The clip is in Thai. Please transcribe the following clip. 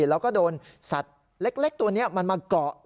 แล้วก็โดนสัตว์เล็กตัวนี้มันมาเกาะ